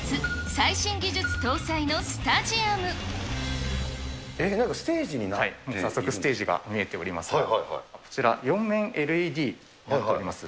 最新技術搭えー、なんかステージになっ早速ステージが見えておりますが、こちら、４面ＬＥＤになっております。